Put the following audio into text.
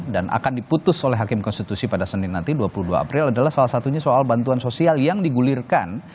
dan akan diputus oleh hakim konstitusi pada senin nanti dua puluh dua april adalah salah satunya soal bantuan sosial yang digulirkan